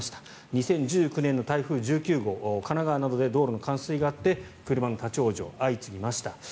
２０１９年の台風１９号神奈川などで道路の冠水があって車の立ち往生が相次ぎました。